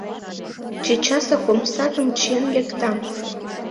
Чечасак омсатым чиен лектам!